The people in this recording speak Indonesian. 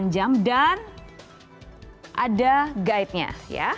delapan jam dan ada guide nya ya